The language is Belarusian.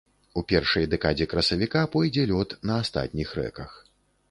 У першай дэкадзе красавіка пойдзе лёд на астатніх рэках.